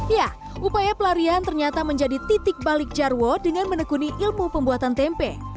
ya upaya pelarian ternyata menjadi titik balik jarwo dengan menekuni ilmu pembuatan tempe